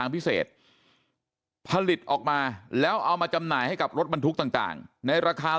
พิเศษผลิตออกมาแล้วเอามาจำหน่ายให้กับรถบรรทุกต่างในราคา